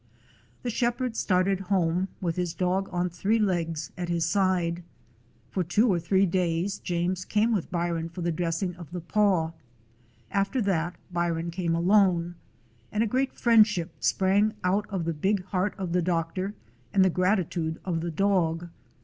The shepherd started home, with the dog on three legs at his side. For two or three days James came with Byron for the dressing of the paw; after that Byron came alone, and a great friendship sprang out of the big heart of the doctor and the gratitude of the dog.